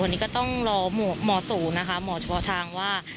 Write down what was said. วันนี้ก็ต้องรอหมอศูนย์นะคะหมอเฉพาะทางว่า